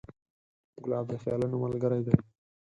ګلاب د خیالونو ملګری دی.